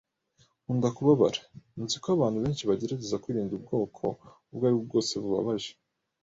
Nkunda kubabara. Nzi ko abantu benshi bagerageza kwirinda ubwoko ubwo aribwo bwose bubabaje.